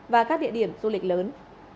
và các địa điểm du lịch lớn